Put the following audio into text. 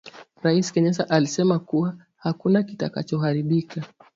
Raisi Kenyatta alisema kuwa hakuna kitakacho haribika